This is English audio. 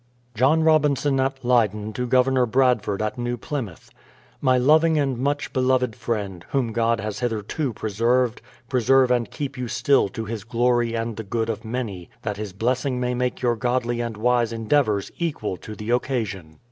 John Robinson at Leydcn to Governor Bradford at New Plymouth: My loving and much beloved friend, whom God has hitherto pre served, preserve and keep j'ou still to His glory and the good of many that His blessing may make your godly and wise endeavours equal to the occasion.